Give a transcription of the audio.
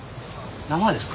生ですか？